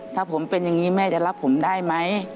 ถ้าผมเป็นอย่างนี้แม่จะรับผมได้ไหม